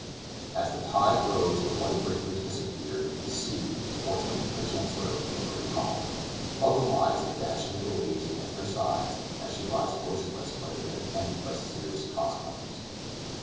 As the tide rose the white breakers disappeared, and the sea, fortunately for the Chancellor, was pretty calm; otherwise the dashing of the waves against her sides, as she lies motionless, might have been attended by serious consequences.